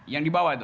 yang di bawah itu